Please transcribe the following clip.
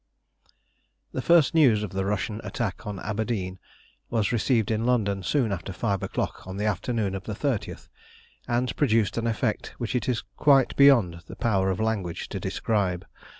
The first news of the Russian attack on Aberdeen was received in London soon after five o'clock on the afternoon of the 30th, and produced an effect which it is quite beyond the power of language to describe.